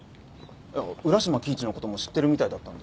浦島亀一のことも知ってるみたいだったので。